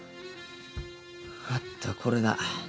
あったこれだ。